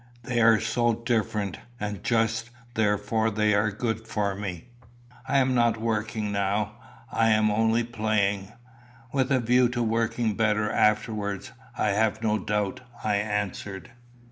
They are so different, and just therefore they are good for me. I am not working now; I am only playing." "With a view to working better afterwards, I have no doubt," I answered.